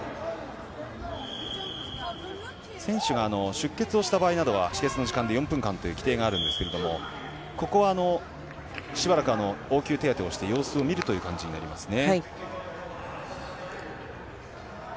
選手が出血をした場合などは止血の時間で４分間という規定があるんですがここはしばらく応急手当てをして様子を見る感じになりますね。